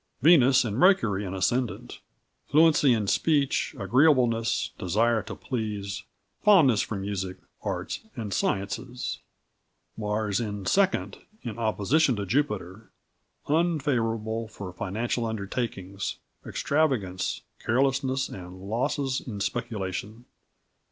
"Venus and Mercury on Ascendant fluency in speech, agreeableness, desire to please, fondness for Music, Arts, and Sciences. "Mars in 2nd, in Opposition to Jupiter, unfavourable for financial undertakings, extravagance, carelessness, and losses in speculation.